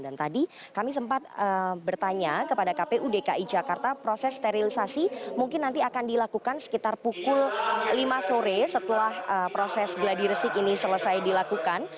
dan tadi kami sempat bertanya kepada kpu dki jakarta proses sterilisasi mungkin nanti akan dilakukan sekitar pukul lima sore setelah proses gladiresik ini selesai dilakukan